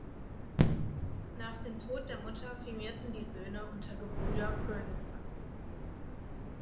Nach dem Tod der Mutter firmierten die Söhne unter „Gebrüder Könitzer“.